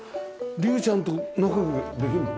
龍ちゃんと仲良くできるの？